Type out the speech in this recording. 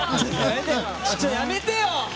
やめてよ！